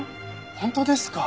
本当ですか！